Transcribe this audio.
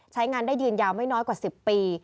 ใช้งานได้ยืนยาวไม่น้อยกว่า๑๐ปี